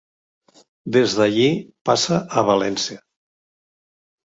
Des d'allí passa a València.